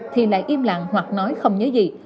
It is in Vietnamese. thì lại im lặng hoặc nói không nhớ gì